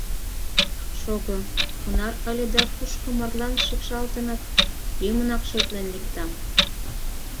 Шого, кунар ыле да кушко марлан шикшалтыныт, лӱмынак шотлен лектам.